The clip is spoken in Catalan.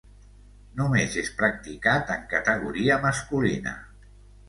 Només és practicat en categoria masculina.